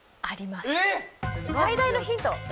最大のヒント